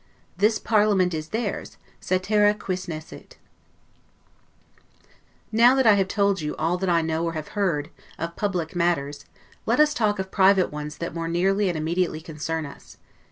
This parliament is theirs, 'caetera quis nescit'? Now that I have told you all that I know or have heard, of public matters, let us talk of private ones that more nearly and immediately concern us.